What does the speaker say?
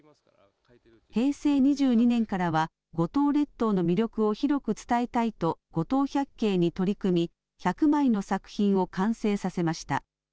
平成２２年からは五島列島の魅力を広く伝えたいと、五島百景に取り組み、１００枚の作品を完成させました。